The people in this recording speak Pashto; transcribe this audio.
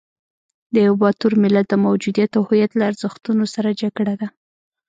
د یوه باتور ملت د موجودیت او هویت له ارزښتونو سره جګړه ده.